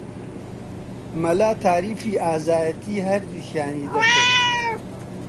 مەلا تاریفی ئازایەتیی هەردووکیانی دەکرد